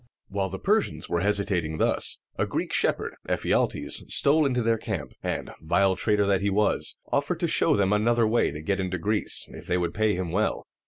While the Persians were hesitating thus, a Greek shepherd, Eph i al´tes, stole into their camp, and, vile traitor that he was, offered to show them another way to get into Greece, if they would pay him well.